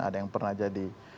ada yang pernah jadi